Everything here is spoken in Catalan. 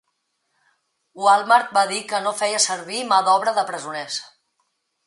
Walmart va dir que no feia servir mà d'obra de presoners.